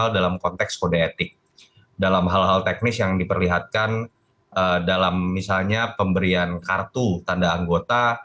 dalam hal hal teknis yang diperlihatkan dalam misalnya pemberian kartu tanda anggota